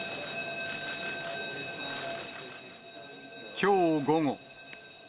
きょう午後。